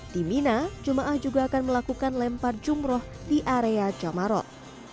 di mina jemaah juga akan melakukan lempar jumroh di area jamarot